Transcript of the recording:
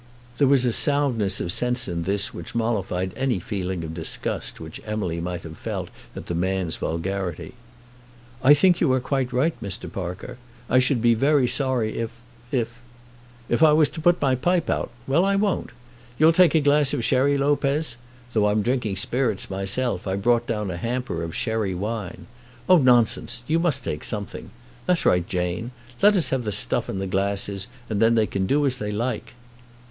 There was a soundness of sense in this which mollified any feeling of disgust which Emily might have felt at the man's vulgarity. "I think you are quite right, Mr. Parker. I should be very sorry if, if " "If I was to put my pipe out. Well, I won't. You'll take a glass of sherry, Lopez? Though I'm drinking spirits myself, I brought down a hamper of sherry wine. Oh, nonsense; you must take something. That's right, Jane. Let us have the stuff and the glasses, and then they can do as they like."